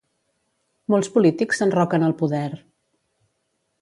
Molts polítics s'enroquen al poder.